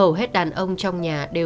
hầu hết đàn ông trong nhà đều sát biệt